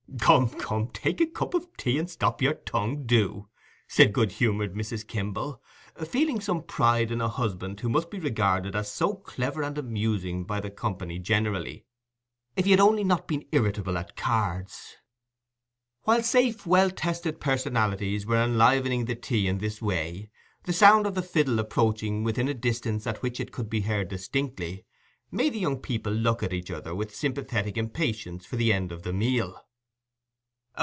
"Come, come, take a cup o' tea and stop your tongue, do," said good humoured Mrs. Kimble, feeling some pride in a husband who must be regarded as so clever and amusing by the company generally. If he had only not been irritable at cards! While safe, well tested personalities were enlivening the tea in this way, the sound of the fiddle approaching within a distance at which it could be heard distinctly, made the young people look at each other with sympathetic impatience for the end of the meal.